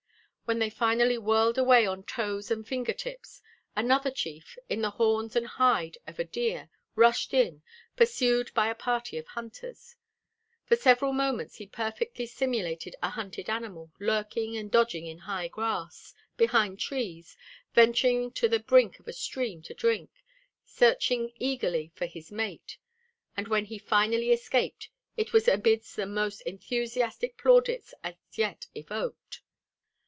When they finally whirled away on toes and finger tips, another chief, in the horns and hide of a deer, rushed in, pursued by a party of hunters. For several moments he perfectly simulated a hunted animal lurking and dodging in high grass, behind trees, venturing to the brink of a stream to drink, searching eagerly for his mate; and when he finally escaped it was amidst the most enthusiastic plaudits as yet evoked.